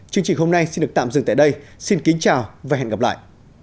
chương trình hôm nay xin được tạm dừng tại đây xin kính chào và hẹn gặp lại